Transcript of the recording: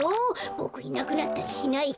ボクいなくなったりしないから。